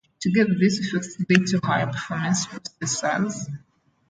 Together, these effects lead to higher-performance processors.